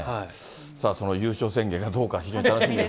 さあ、その優勝宣言がどうか、非常に楽しみです。